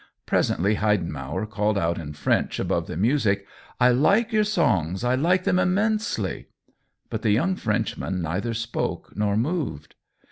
Presently Heidenmauer called out, in French, above the music, " I like your songs — I like them immensely !" but the young Frenchman neither spoke nor moved.